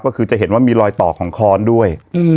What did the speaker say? ก็คือจะเห็นว่ามีรอยต่อของค้อนด้วย